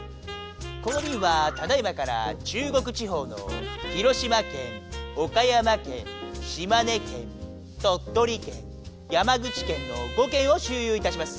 このびんはただ今から中国地方の広島県岡山県島根県鳥取県山口県の５県をしゅうゆういたします。